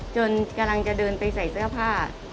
กำลังจะเดินไปใส่เสื้อผ้า